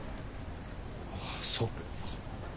ああそっか。